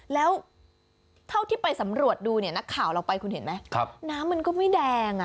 แล้วเท่าที่ไปสำรวจดูเนี่ยนักข่าวเราไปคุณเห็นไหมน้ำมันก็ไม่แดง